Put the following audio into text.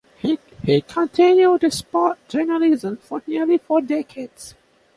He continued sports journalism for nearly four decades.